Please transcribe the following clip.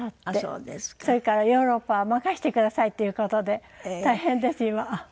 それからヨーロッパは任せてくださいっていう事で大変です今。